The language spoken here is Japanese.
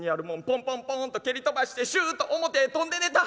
ポンポンポンと蹴り飛ばしてシュと表へ飛んで出た。